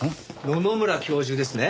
野々村教授ですね？